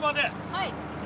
はい！